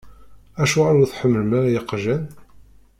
Acuɣer ur tḥemmlem ara iqjan?